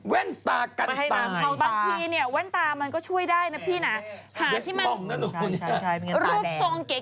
เหม็นจริงเหม็นเต๋มคุณแม่